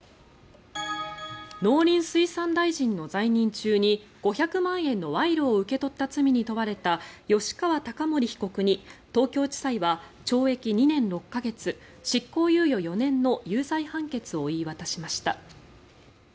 農林水産大臣の在任中に５００万円の賄賂を受け取った罪に問われた吉川貴盛被告に東京地裁は懲役２年６か月執行猶予４年の有罪判決を言い渡しました。